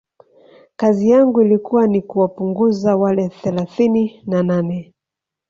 kazi yangu ilikuwa ni kuwapunguza wale thelathini na nane